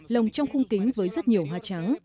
lồng trong khung kính với rất nhiều hoa trắng